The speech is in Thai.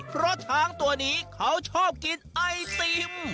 เพราะช้างตัวนี้เขาชอบกินไอติม